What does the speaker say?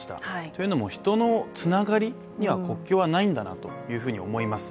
というのも、人のつながりには国境はないんだなというふうに思います。